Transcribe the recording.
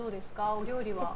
お料理は。